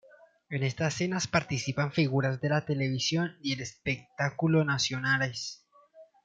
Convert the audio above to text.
En estas cenas participan figuras de la televisión y el espectáculo nacionales.